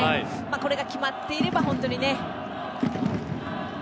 これが決まっていれば本当にね。